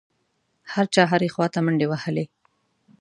هر چا هرې خوا ته منډې وهلې.